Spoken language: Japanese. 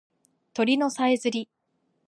鳥のさえずり